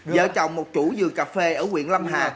vợ chồng một chủ vườn cà phê ở quyện lâm hà